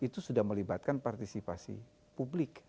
itu sudah melibatkan partisipasi publik